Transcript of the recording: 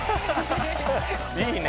いいね！